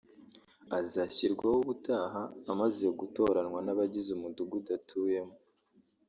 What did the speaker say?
azashyirwaho ubutaha amaze gutoranwa n’abagize umudugudu atuyemo